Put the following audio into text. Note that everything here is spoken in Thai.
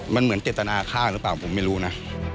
มันเหมือนเจตนาฆ่าหรือเปล่าผมไม่รู้นะ